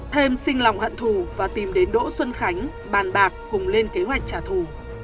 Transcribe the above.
thêm sinh lòng hận thù và tìm đến đỗ xuân khánh bàn bạc cùng lên kế hoạch trả thù